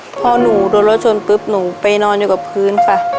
พอหนูโดนรถชนปุ๊บหนูไปนอนอยู่กับพื้นค่ะ